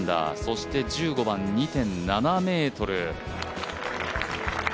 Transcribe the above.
そして１５番、２．７ｍ。